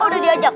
oh udah diajak